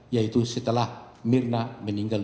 yaitu setelah myrna meninggal